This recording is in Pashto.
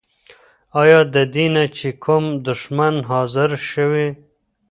آيا ددينه چې کوم دشمن حاضر شوی؟